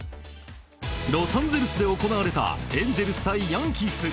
ロサンゼルスで行われたエンゼルス対ヤンキース。